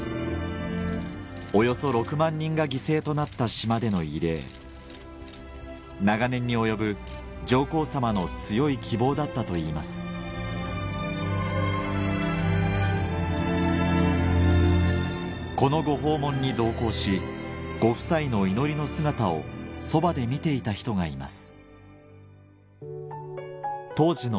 およそ６万人が犠牲となった島での慰霊長年に及ぶ上皇さまの強い希望だったといいますこのご訪問に同行しご夫妻の祈りの姿をそばで見ていた人がいます